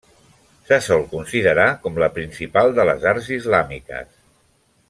Se sol considerar com la principal de les arts islàmiques.